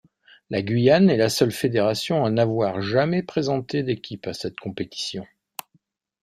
La Guyane est la seule fédération à n'avoir jamais présenté d'équipe à cette compétition.